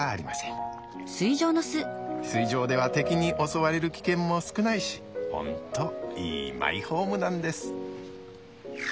水上では敵に襲われる危険も少ないしホントいいマイホームなんです。